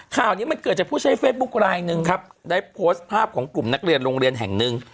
ข่าวนี้มันเกิดจากผู้ใช้เฟซบุ๊คไลน์หนึ่งครับได้โพสต์ภาพของกลุ่มนักเรียนโรงเรียนแห่งหนึ่ง